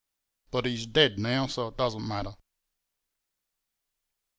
"But he's dead now, so it doesn't matter."